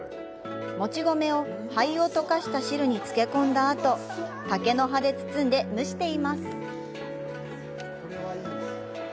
もち米を灰を溶かした汁に漬け込んだあと、竹の葉で包んで蒸しています。